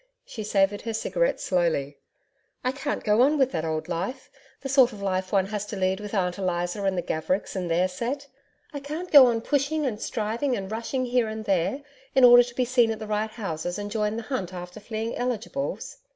She savoured her cigarette slowly. 'I can't go on with that old life, the sort of life one has to lead with Aunt Eliza and the Gavericks and their set. I can't go on pushing and striving and rushing here and there in order to be seen at the right houses and join the hunt after fleeing eligibles.'